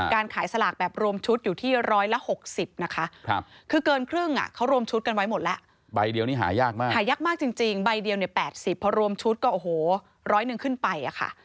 การขายสลากแบบรวมชุดอยู่ที่ร้อยละวัฒนศพ๖๐นะคะ